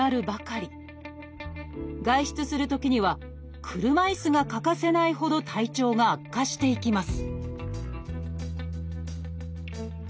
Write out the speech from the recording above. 外出するときには車いすが欠かせないほど体調が悪化していきます